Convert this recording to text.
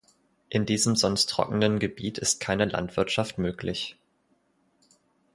In diesem sonst trockenen Gebiet ist keine Landwirtschaft möglich.